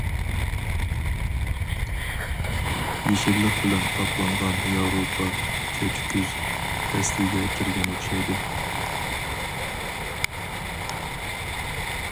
يېشىللىق بىلەن قاپلانغان ياۋروپا كەچكۈز پەسلىگە كىرگەن ئوخشايدۇ.